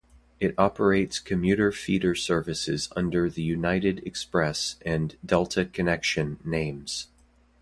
It operates commuter feeder services under the United Express and Delta Connection names.